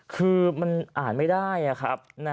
คือมันอ่านไม่ได้ครับ